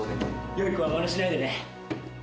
良い子はマネしないでね。